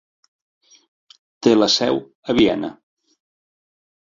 Té la seu a Viena.